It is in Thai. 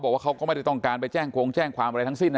บอกว่าเขาก็ไม่ต้องการไปแจ้งกงแจ้งความอะไรทั้งสิ้น